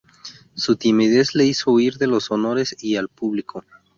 Su timidez le hizo huir de los honores y el público.